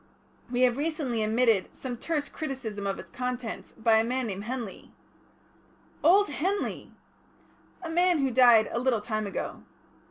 We have recently admitted some terse criticism of its contents by a man named Henley." "Old Henley!" "A man who died a little time ago."